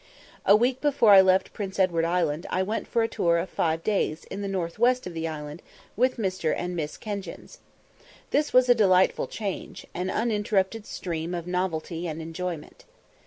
A week before I left Prince Edward Island I went for a tour of five days in the north west of the island with Mr. and Miss Kenjins. This was a delightful change, an uninterrupted stream of novelty and enjoyment.